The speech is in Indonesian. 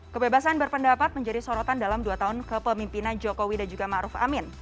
kebebasan berpendapat menjadi sorotan dalam dua tahun ke pemimpinan jokowi dan juga maruf amin